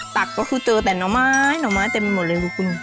ตักก็คือเจอแต่หน่อไม้หน่อไม้เต็มไปหมดเลยคุณ